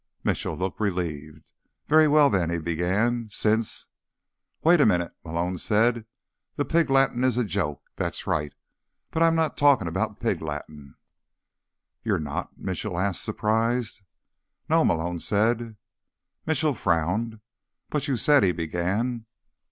Mitchell looked relieved. "Very well, then," he began. "Since—" "Wait a minute," Malone said. "The pig Latin is a joke. That's right. But I'm not talking about the pig Latin." "You're not?" Mitchell asked, surprised. "No," Malone said. Mitchell frowned. "But you said—" he began.